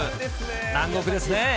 南国ですね。